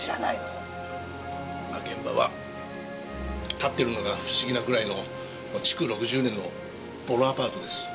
まあ現場は建ってるのが不思議なぐらいの築６０年のボロアパートです。